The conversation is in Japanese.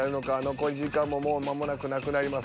残り時間ももう間もなくなくなります。